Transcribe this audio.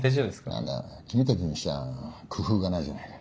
何だ君たちにしては工夫がないじゃないか。